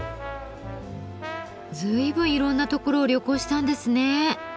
随分いろんなところを旅行したんですね。